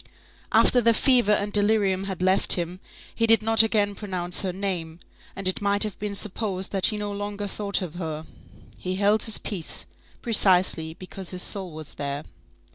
After the fever and delirium had left him, he did not again pronounce her name, and it might have been supposed that he no longer thought of her. He held his peace, precisely because his soul was there.